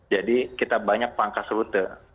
jadi kita banyak pangkas rute